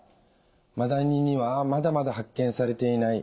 マダニにはまだまだ発見されていない